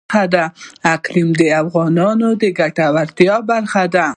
اقلیم د افغانانو د ګټورتیا برخه ده.